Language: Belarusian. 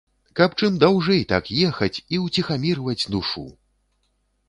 Каб чым даўжэй так ехаць і уціхамірваць душу!